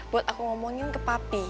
buat aku ngomongin ke papi